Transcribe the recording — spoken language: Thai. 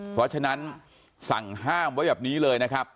เพราะฉะนั้นสั่งห้ามไว้แบบนี้เลยนะครับ